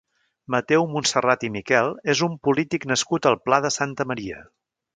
Mateu Montserrat i Miquel és un polític nascut al Pla de Santa Maria.